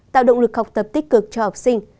tạo động lực học tập tích cực cho học sinh